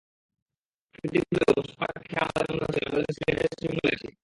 কৃত্রিম হলেও মুশফিক পার্ক দেখে আমাদের মনে হচ্ছিল আমরা যেন সিলেটের শ্রীমঙ্গলে আছি।